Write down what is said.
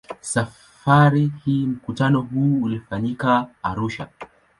Safari hii mkutano huo ulifanyika Arusha.